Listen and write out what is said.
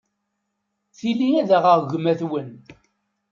Tili ad aɣeɣ gma-twen.